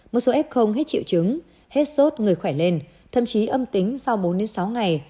một số f hết triệu chứng hết sốt người khỏe lên thậm chí âm tính sau bốn sáu ngày